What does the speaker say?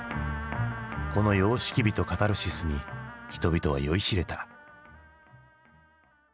この様式美とカタルシスに人々は酔いしれた。